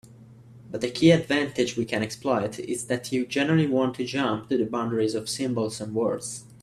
But the key advantage we can exploit is that you generally want to jump to the boundaries of symbols and words.